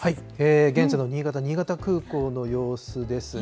現在の新潟・新潟空港の様子ですが。